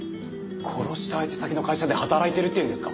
殺した相手先の会社で働いてるっていうんですか！？